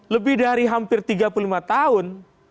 lebih dari hampir tiga puluh lima tahun